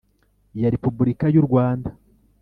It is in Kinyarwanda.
ya Repuburika y u Rwanda